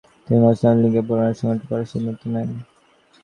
তিনি মুসলিম লীগকে পুনরায় সংগঠিত করার সিদ্ধান্ত নেন।